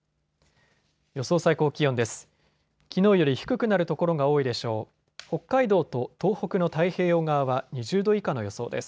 予想最高気温です。